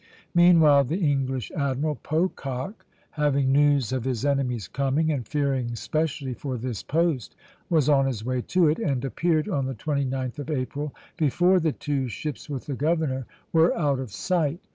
Meanwhile, the English admiral, Pocock, having news of the enemy's coming, and fearing specially for this post, was on his way to it, and appeared on the 29th of April, before the two ships with the governor were out of sight.